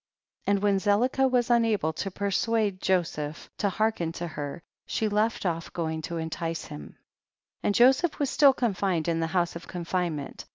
80. And when Zelicah was unable j to persuade Joseph to hearken toi her, she left off going to entice him; and Joseph was still confined in the house of confinement.